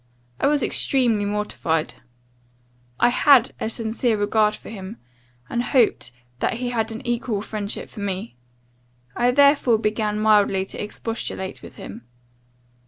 I was extremely mortified. I had a sincere regard for him, and hoped that he had an equal friendship for me. I therefore began mildly to expostulate with him.